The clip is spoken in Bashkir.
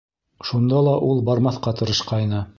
Шунда ла ул бармаҫҡа тырышҡайны.